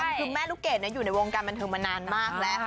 คือแม่ลูกเกดอยู่ในวงการบันเทิงมานานมากแล้ว